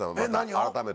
改めて。